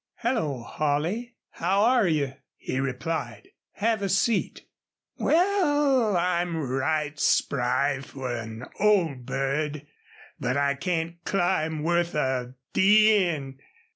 "Hello, Holley! How are you?" he replied. "Have a seat." "Wal, I'm right spry fer an old bird. But I can't climb wuth a d n